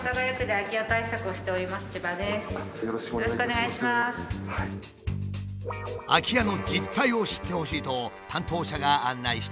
空き家の実態を知ってほしいと担当者が案内してくれた。